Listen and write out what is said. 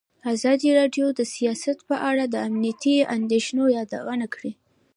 ازادي راډیو د سیاست په اړه د امنیتي اندېښنو یادونه کړې.